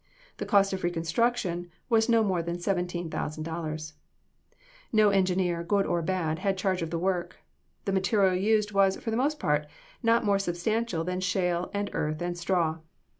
The cost of reconstruction was no more than $17,000. No engineer, good or bad, had charge of the work. The material used was, for the most part, not more substantial than shale and earth and straw.